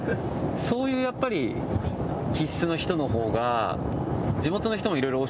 そういうやっぱり気質の人の方が。